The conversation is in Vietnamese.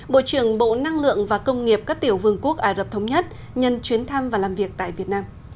bộ trưởng bộ năng lượng và công nghiệp các tiểu vương quốc ả rập thống nhất nhân chuyến thăm và làm việc tại việt nam